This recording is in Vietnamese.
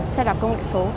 xe đạp công nghệ số